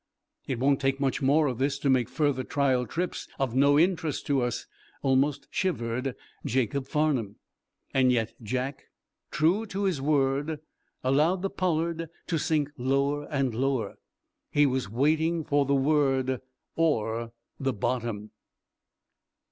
"It won't take much more of this to make further trial trips of no interest to us," almost shivered Jacob Farnum. Yet Jack, true to his word, allowed the "Pollard" to sink lower and lower. He was waiting for the word or the bottom!